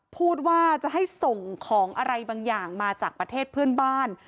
พูดว่าจะให้ส่งของอะไรบางอย่างมาจากประเทศเพื่อนบ้าน